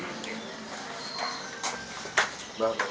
bapak yang sudah keadaan